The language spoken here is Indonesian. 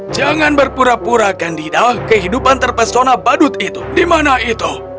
jangan berpura pura candida kehidupan terpesona badut itu di mana itu